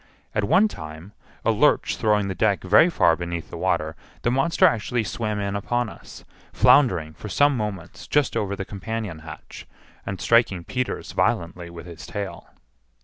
At one time, a lurch throwing the deck very far beneath the water, the monster actually swam in upon us, floundering for some moments just over the companion hatch, and striking Peters violently with his tail.